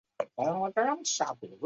湖北沔阳人。